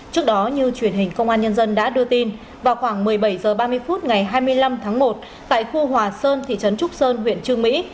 trước đó như truyền hình công an nhân dân đã đưa tin vào khoảng một mươi bảy h ba mươi phút ngày hai mươi năm tháng một tại khu hòa sơn thị trấn trúc sơn huyện trương mỹ